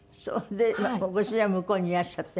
でご主人は向こうにいらっしゃって。